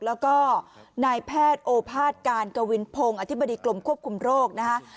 แล้วก็นายแพทย์โอภาษย์การกวินพงศ์อธิบดีกรมควบคุมโรคนะคะ